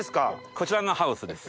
こちらのハウスです。